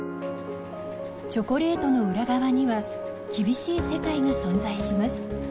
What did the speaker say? チョコレートの裏側には厳しい世界が存在します。